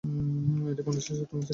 এটি বাংলাদেশের সপ্তম সিটি কর্পোরেশন।